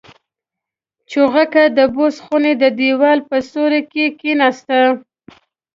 چوغکه د بوس خونې د دېوال په سوري کې کېناستله.